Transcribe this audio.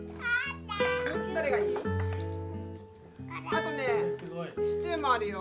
あとねシチューもあるよ。